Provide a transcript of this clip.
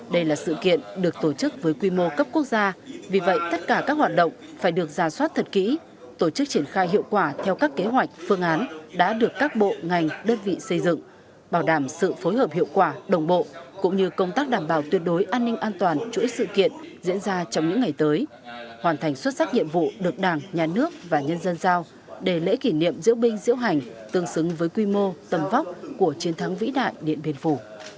đây là sự kiện được tổ chức với quy mô cấp quốc gia vì vậy tất cả các hoạt động phải được ra soát thật kỹ tổ chức triển khai hiệu quả theo các kế hoạch phương án đã được các bộ ngành đơn vị xây dựng bảo đảm sự phối hợp hiệu quả đồng bộ cũng như công tác đảm bảo tuyệt đối an ninh an toàn chuỗi sự kiện diễn ra trong những ngày tới hoàn thành xuất sắc nhiệm vụ được đảng nhà nước và nhân dân giao để lễ kỷ niệm diễu binh diễu hành tương xứng với quy mô tầm vóc của chiến thắng vĩ đại điện biên phủ